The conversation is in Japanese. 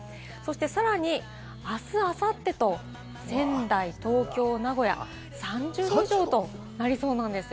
さらに明日、明後日と仙台、東京、名古屋３０度以上となりそうです。